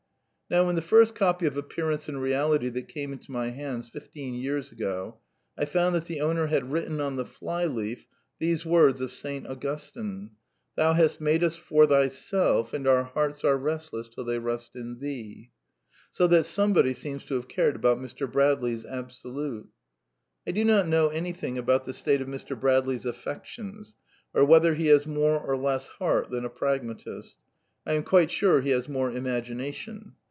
" Now in the first copy of A'p'pearance and Reality that came into my hands, fifteen years ago, I found that the owner had written on the fly leaf these words of Saint y . Augustine :" Thou hast made us for Thyself, and ouf— "J ^ hearts are restless till they rest in Thee." So that some ' body seems to have cared about Mr. Bradley's Absolute. I do not know anything about the state of Mr. Bradley's affections, or whether he has more or less " heart " than a pragmatist ; I am quite sure he has more imagination.